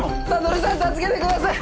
悟さん助けてください。